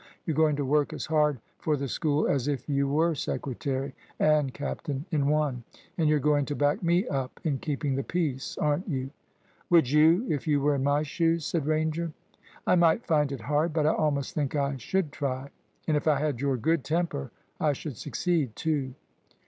You're going to work as hard for the School as if you were secretary and captain in one; and you're going to back me up in keeping the peace, aren't you?" "Would you, if you were in my shoes?" said Ranger. "I might find it hard, but I almost think I should try. And if I had your good temper, I should succeed too."